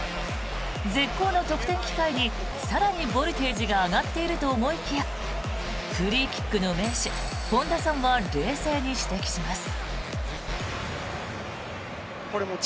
絶好の得点機会に更にボルテージが上がっていると思いきやフリーキックの名手、本田さんは冷静に指摘します。